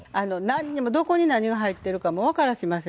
なんにもどこに何が入ってるかもわからしませんし。